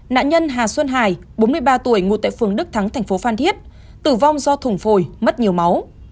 nạn nhân hà xuân hải bốn mươi ba tuổi ngụ tại phường đức thắng thành phố phan thiết tử vong do thùng phổi mất nhiều máu